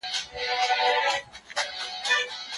د شریعت هر حکم د حکمت پر بنسټ دی.